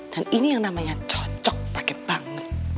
dan ini yang namanya cocok pake banget